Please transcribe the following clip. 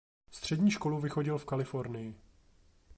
Střední školu vychodil v Kalifornii.